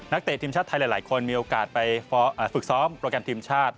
เตะทีมชาติไทยหลายคนมีโอกาสไปฝึกซ้อมโปรแกรมทีมชาติ